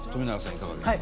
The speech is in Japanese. いかがですか？